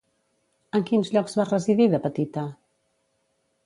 En quins llocs va residir de petita?